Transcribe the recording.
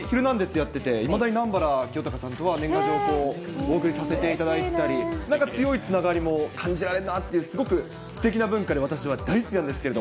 やってて、いまだに南原きよたかさんとは年賀状を送りさせていただいたり、なんか強いつながりも感じられるなという、すごくすてきな文化で私も大好きなんですけど。